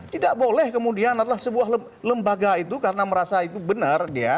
tidak boleh kemudian adalah sebuah lembaga itu karena merasa itu benar dia